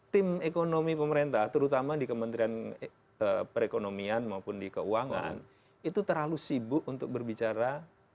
tim ekonomi pemerintah terutama di kementerian perekonomian maupun di keuangan itu terlalu sibuk untuk berbicara